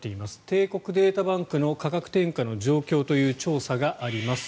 帝国データバンクの価格転嫁の状況という調査があります。